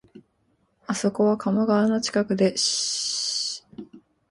あそこは鴨川の近くで、下鴨の森林美はもとより、